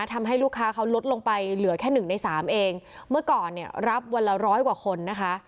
ทำให้ลูกค้าเขาลดลงไปเหลือแค่หนึ่งในสามเองเมื่อก่อนเนี่ยรับวันละร้อยกว่าคนนะคะ